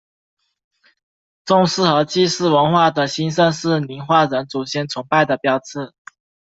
宗祠和祭祀文化的兴盛是宁化人祖先崇拜的标志。